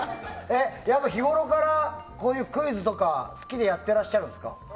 日ごろから、クイズとか好きでやってらっしゃるんですか。